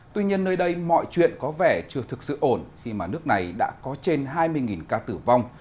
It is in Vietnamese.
tuy nhiên nơi đây mọi chuyện có vẻ chưa thực sự ổn khi mà nước này đã có trên hai mươi ca tử vong